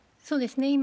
そうですね。